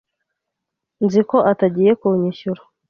Nzi ko atagiye kunyishyura.